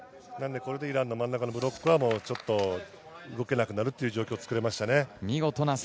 これでイランの真ん中のブロックはちょっと動けなくなるという状況を作れましたね。